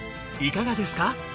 いかがですか？